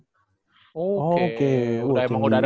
udah emang udah ada bakatnya